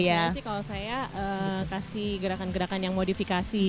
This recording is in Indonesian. iya sih kalau saya kasih gerakan gerakan yang modifikasi